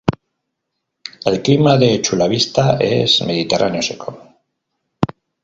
El clima de Chula Vista es mediterráneo seco.